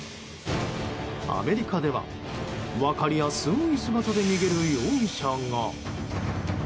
アメリカでは分かりやすい姿で逃げる容疑者が。